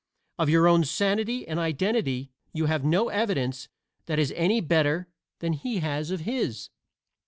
Of your own sanity and identity you have no evidence that is any better than he has of his.